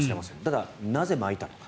ただ、なぜまいたのか。